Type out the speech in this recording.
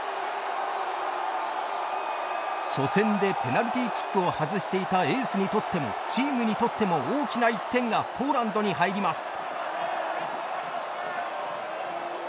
初戦でペナルティーキックを外していたエースにとってもチームにとっても大きな１点がポーランドに入ります。